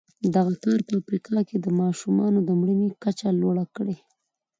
دغه کار په افریقا کې د ماشومانو د مړینې کچه لوړه کړې.